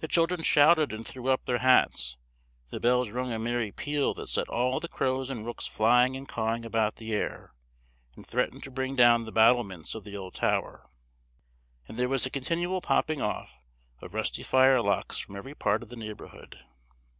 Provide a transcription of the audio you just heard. The children shouted and threw up their hats; the bells rung a merry peal that set all the crows and rooks flying and cawing about the air, and threatened to bring down the battlements of the old tower; and there was a continual popping off of rusty firelocks from every part of the neighbourhood.